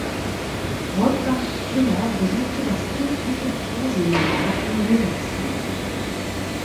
Wolfgang Pfüller besuchte das Kirchliche Proseminar in Moritzburg.